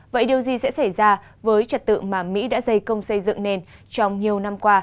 vậy điều gì sẽ xảy ra với trật tự mà mỹ đã dày công xây dựng nên trong nhiều năm qua